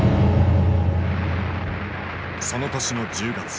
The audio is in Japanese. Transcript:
その年の１０月。